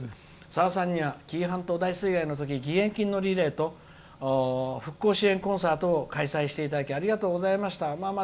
さださんには紀伊半島大水害のときに義援金のリレーと復興支援コンサートを開催していただきありがとうございました」。